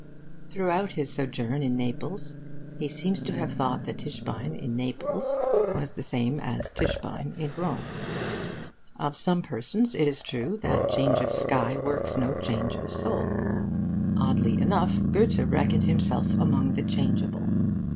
Throughout his sojourn in Naples he seems to have thought that Tischbein in Naples was the same as Tischbein in Rome. Of some persons it is true that change of sky works no change of soul. Oddly enough, Goethe reckoned himself among the changeable.